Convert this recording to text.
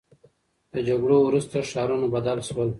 د جګړو وروسته ښارونه بدل سول.